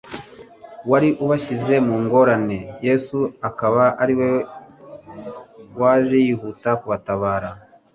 wari ubashyize mu ngorane Yesu akaba ari we waje yihuta akabatabara